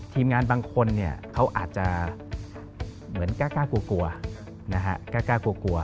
ทีมงานบางคนเขาอาจจะเหมือนกล้ากลัว